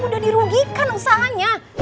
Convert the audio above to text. udah dirugikan usahanya